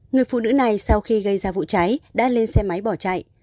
người phụ nữ này sau khi gây ra vụ cháy đã lên xe máy bỏ chạy